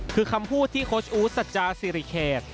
คือคำพูดที่โค้ชอุ๊ดสัจจาซีริเครด